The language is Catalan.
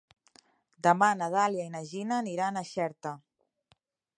Demà na Dàlia i na Gina aniran a Xerta.